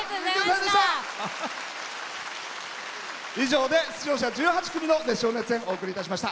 以上で出場者１８組の熱唱・熱演お送りいたしました。